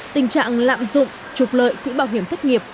tình trạng lạm dụng trục lợi quỹ bảo hiểm thất nghiệp